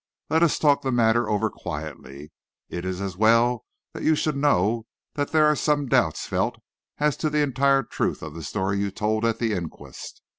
Let us talk the matter over quietly. It is as well that you should know that there are some doubts felt as to the entire truth of the story you told at the inquest.